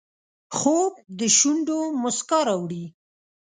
خوب د شونډو مسکا راوړي